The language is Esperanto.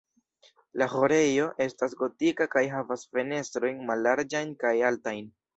La ĥorejo estas gotika kaj havas fenestrojn mallarĝajn kaj altajn.